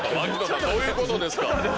どういうことですか。